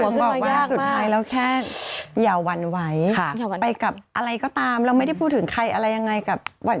บอกว่าสุดท้ายแล้วแค่อย่าหวั่นไหวไปกับอะไรก็ตามเราไม่ได้พูดถึงใครอะไรยังไงกับวัน